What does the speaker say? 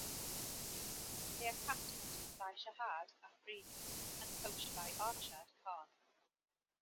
They are captained by Shahid Afridi and coached by Arshad Khan.